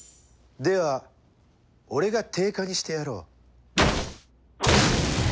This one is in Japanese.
では俺が定価にしてやろう。